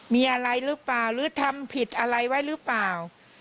มีอะไรหรือเปล่าหรือทำผิดอะไรไว้หรือเปล่า